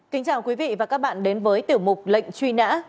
kính chào quý vị và các bạn đến với tiểu mục lệnh truy nã